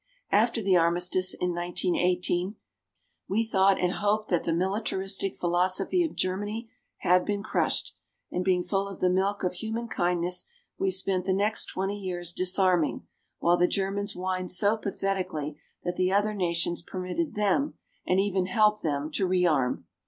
After the Armistice in 1918, we thought and hoped that the militaristic philosophy of Germany had been crushed; and being full of the milk of human kindness we spent the next twenty years disarming, while the Germans whined so pathetically that the other nations permitted them and even helped them to rearm.